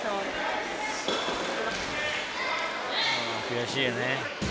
悔しいよね。